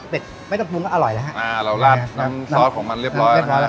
เป็ดไม่ต้องดูก็อร่อยแล้วฮะอ่าเราราดน้ำซอสของมันเรียบร้อยอะไร